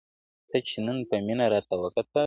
تا چي نن په مينه راته وكتل.